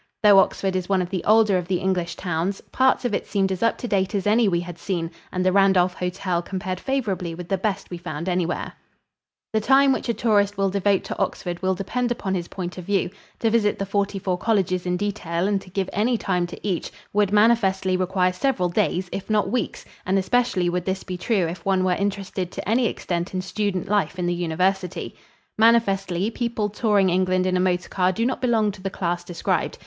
Though Oxford is one of the older of the English towns, parts of it seemed as up to date as any we had seen, and the Randolph Hotel compared favorably with the best we found anywhere. [Illustration: DISTANT VIEW OF MAGDALEN TOWER, OXFORD.] The time which a tourist will devote to Oxford will depend upon his point of view. To visit the forty four colleges in detail and to give any time to each would manifestly require several days if not weeks and especially would this be true if one were interested to any extent in student life in the University. Manifestly, people touring England in a motor car do not belong to the class described.